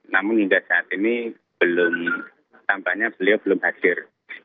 namun hingga saat ini belum tampaknya beliau belum hadir